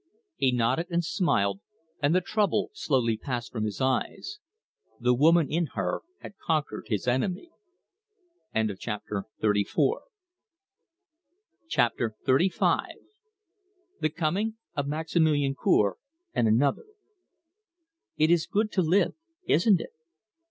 He nodded and smiled, and the trouble slowly passed from his eyes. The woman in her had conquered his enemy. CHAPTER XXXV. THE COMING OF MAXIMILIAN COUR AND ANOTHER "It is good to live, isn't it?"